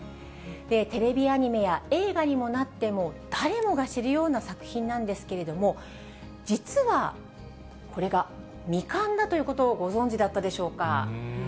テレビアニメや映画にもなっても、誰もが知るような作品なんですけれども、実は、これが未完だということをご存じだったでしょうか。